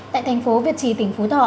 tại thành phố việt trì tỉnh phú thọ